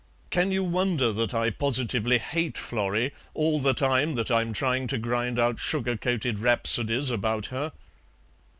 Can you wonder that I positively hate Florrie all the time that I'm trying to grind out sugar coated rhapsodies about her."